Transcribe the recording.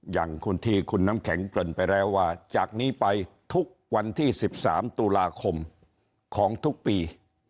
อย่างที่คุณน้ำแข็งเกริ่นไปแล้วว่าจากนี้ไปทุกวันที่๑๓ตุลาคมของทุกปี